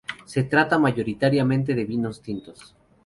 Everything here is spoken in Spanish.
Se trata mayoritariamente de vinos tintos.